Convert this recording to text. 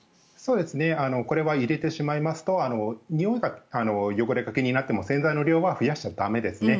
これは入れてしまいますとにおいや汚れが気になっても洗剤の量は増やしちゃ駄目ですね。